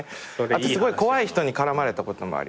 あとすごい怖い人に絡まれたこともあります。